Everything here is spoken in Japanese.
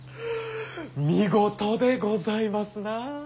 見事でございますな。